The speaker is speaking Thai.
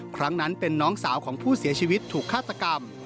ครั้งนั้นเป็นน้องสาวของผู้เสียชีวิตถูกฆาตกรรม